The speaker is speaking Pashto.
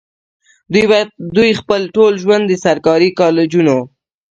دوي خپل ټول ژوند د سرکاري کالجونو